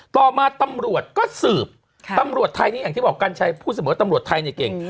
ต่อมาตำรวจก็สืบตำรวจไทยนี่อย่างที่บอกกัญชัยพูดเสมอตำรวจไทยเนี่ยเก่ง